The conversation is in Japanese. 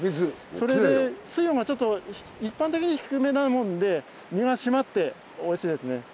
それで水温がちょっと一般的に低めなもんで身は締まっておいしいですね。